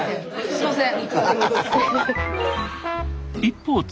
すいません。